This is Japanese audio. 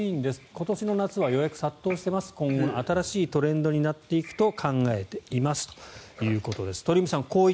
今年の夏は予約が殺到していて今後の新しいトレンドになっていくと考えていますということです。